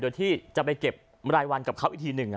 โดยที่จะไปเก็บรายวันกับเขาอีกทีหนึ่ง